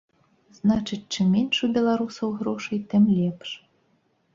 Значыць, чым менш у беларусаў грошай, тым лепш.